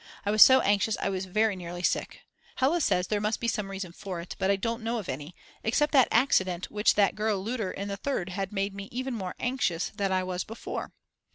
I was so anxious I was very nearly sick. Hella says there must be some reason for it, but I don't know of any, except that the accident which that girl Lutter in the Third had made me even more anxious that I was before.